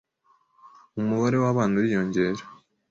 Umubare wabana uriyongera.